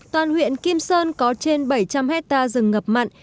toàn huyện kim sơn có trên bảy trăm linh hectare rừng ngập mặn